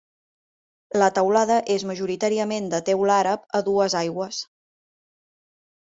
La teulada és majoritàriament de teula àrab a dues aigües.